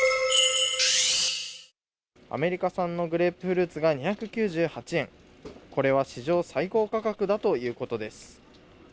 アメリカ産のグレープフルーツが２９８円、これは史上最高価格だということです。